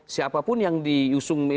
siapapun yang diusung